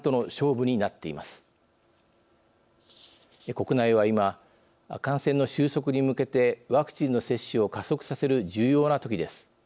国内は今感染の収束に向けてワクチンの接種を加速させる重要なときです。